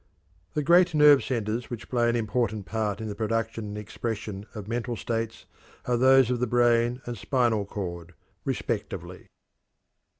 The great nerve centers which play an important part in the production and expression of mental states are those of the brain and spinal cord, respectively.